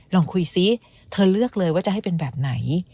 ลองคุยซิเธอเลือกเลยว่าจะให้เป็นแบบไหน